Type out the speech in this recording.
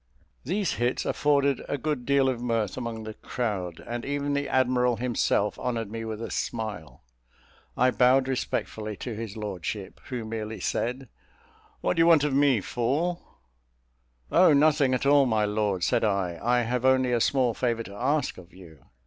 These hits afforded a good deal of mirth among the crowd, and even the admiral himself honoured me with a smile. I bowed respectfully to his lordship, who merely said "What do you want of me, fool?" "Oh, nothing at all, my lord," said I, "I have only a small favour to ask of you."